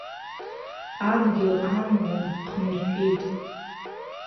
Адгьыл амгӏа хънирхӏвитӏ.